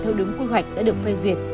theo đúng quy hoạch đã được phê duyệt